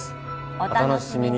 お楽しみに